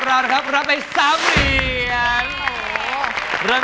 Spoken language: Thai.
เกือบเวลาแล้ว